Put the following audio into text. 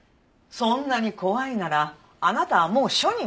そんなに怖いならあなたはもう署に戻りなさい。